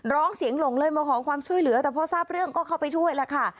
ร้องเสียงหลงเลยมาขอความช่วยเหลือแต่พอทราบเรื่องก็เข้าไปช่วยแล้วค่ะ